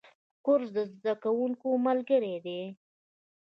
کورس د زده کوونکو ملګری دی.